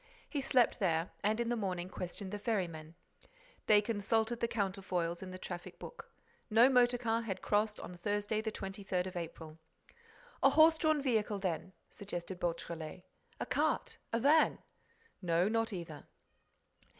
He slept there and, in the morning, questioned the ferrymen. They consulted the counterfoils in the traffic book. No motor car had crossed on Thursday the 23rd of April. "A horse drawn vehicle, then?" suggested Beautrelet. "A cart? A van?" "No, not either."